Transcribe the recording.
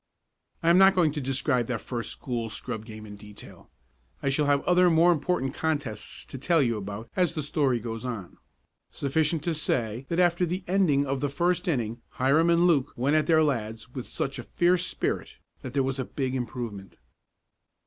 I am not going to describe that first school scrub game in detail. I shall have other more important contests to tell you about, as the story goes on. Sufficient to say that after the ending of the first inning Hiram and Luke went at their lads in such a fierce spirit that there was a big improvement.